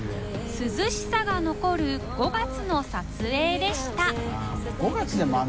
涼しさが残る５月の撮影でしたあぁ